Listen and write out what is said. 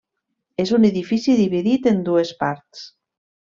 És un edifici dividit en dues parts.